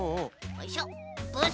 よいしょ。